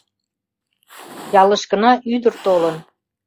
— Ялышкына ӱдыр толын...